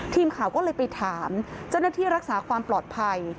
ทีมข่าวก็เลยไปถามเจ้าหน้าที่รักษาความปลอดภัย